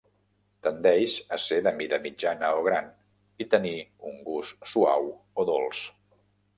Tendeix a ser de mida mitjana o gran i tenir un gust suau o dolç.